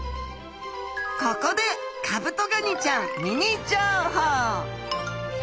ここでカブトガニちゃんミニ情報！